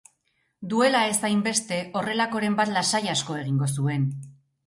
Duela ez hainbeste horrelakoren bat lasai asko egingo zuen.